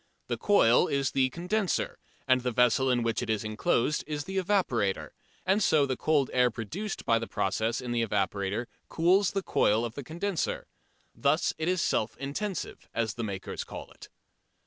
The coil is the "condenser" and the vessel in which it is enclosed is the "evaporator," and so the cold air produced by the process in the evaporator cools the coil of the condenser. Thus it is "self intensive," as the makers call it.